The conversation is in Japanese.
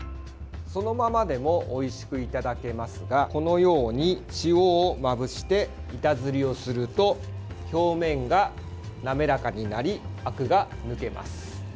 そのままでもおいしくいただけますがこのように塩をまぶして板ずりをすると表面が滑らかになりあくが抜けます。